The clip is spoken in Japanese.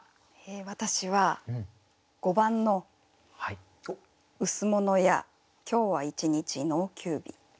私は５番の「羅や今日は一日農休日」。